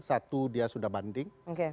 satu dia sudah banding